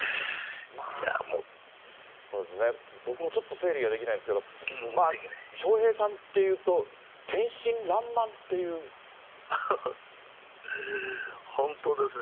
僕もちょっと整理ができないですけど、笑瓶さんっていうと、本当ですね。